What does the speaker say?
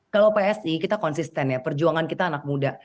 kalau psi kita konsisten ya perjuangan kita anak muda